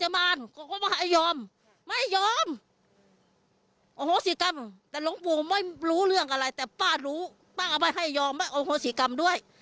ไม่ยอมเอาโฆษีกรรมด้วย